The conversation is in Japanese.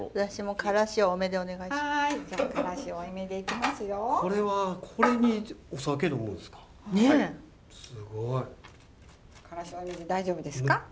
からし多めで大丈夫ですか？